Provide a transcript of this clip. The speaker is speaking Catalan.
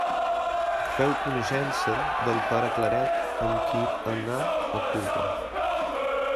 Feu coneixença del pare Claret, amb qui anà a Cuba.